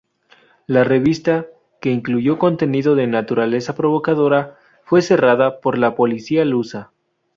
La revista, que incluyó contenido de naturaleza provocadora, fue cerrada por la policía lusa.